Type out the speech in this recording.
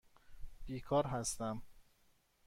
بیکار هستم.